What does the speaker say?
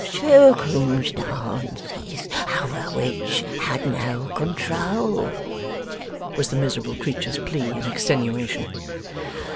'Circumstances over which had no control,' was the miserable creature's plea in extenuation.